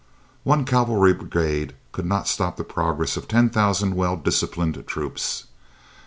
One cavalry brigade could not stop the progress of ten thousand well disciplined troops.